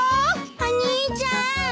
お兄ちゃーん！